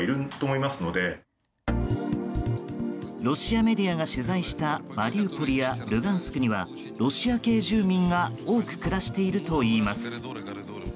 ロシアメディアが取材したマリウポリやルガンスクにはロシア系住民が多く暮らしているといいます。